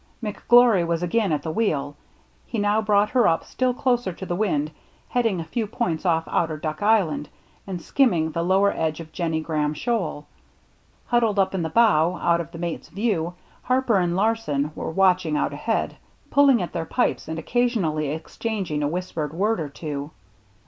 McGlory was again at the wheel. He now brought her up still closer to the wind, heading a few points off Outer Duck Island and skimming the lower edge of Jennie Graham Shoal. Huddled up in the bow, out of the mate's view. Harper and Larsen were watch ing out ahead, pulling at their pipes and occa sionally exchanging a whispered word or two.